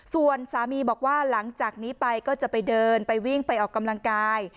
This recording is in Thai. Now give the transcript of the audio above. ส่วนสามีบอกว่าหลังจากนี้ไปก็จะไปเดินไปวิ่งไปออกกำลังกาย